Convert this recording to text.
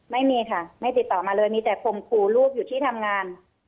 ไม่มีค่ะไม่ติดต่อมาเลยมีแต่ข่มขู่ลูกอยู่ที่ทำงาน